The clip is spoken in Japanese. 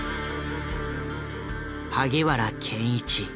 萩原健一